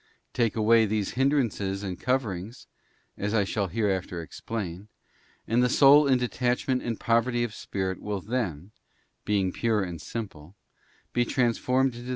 Take away these | hindrances and coverings, as I shall hereafter explain, and _ the soul in detachment and poverty of spirit will then, being pure and simple, be transformed in the pure and sincere VOL.